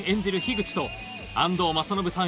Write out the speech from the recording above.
口と安藤政信さん